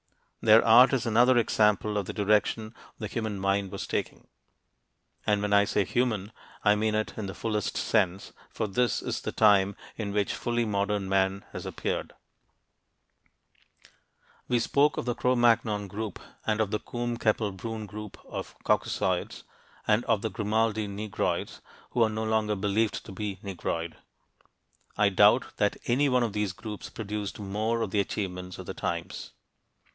Their art is another example of the direction the human mind was taking. And when I say human, I mean it in the fullest sense, for this is the time in which fully modern man has appeared. On page 34, we spoke of the Cro Magnon group and of the Combe Capelle Brünn group of Caucasoids and of the Grimaldi "Negroids," who are no longer believed to be Negroid. I doubt that any one of these groups produced most of the achievements of the times.